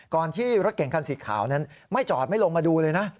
ที่รถเก่งคันสีขาวนั้นไม่จอดไม่ลงมาดูเลยนะ